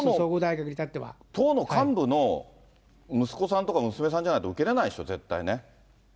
恐らく党の幹部の息子さんとか娘さんとかじゃないと、受けれないでしょう、絶対ね。